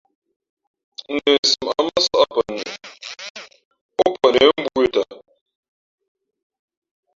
Nəsimα̌ʼ mά nsᾱʼ pαnə móʼ pαnə̌ mbōh ī tαʼ.